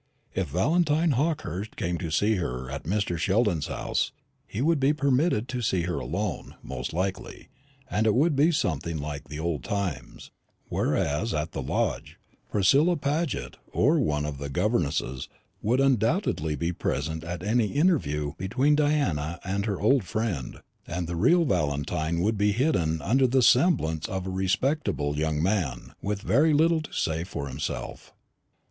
If Valentine Hawkehurst came to see her at Mr. Sheldon's house, he would be permitted to see her alone, most likely, and it would be something like the old times; whereas at the Lodge Priscilla Paget or one of the governesses would undoubtedly be present at any interview between Diana and her old friend, and the real Valentine would be hidden under the semblance of a respectable young man, with very little to say for himself.